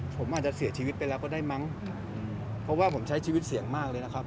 ผมอาจจะเสียชีวิตไปแล้วก็ได้มั้งเพราะว่าผมใช้ชีวิตเสี่ยงมากเลยนะครับ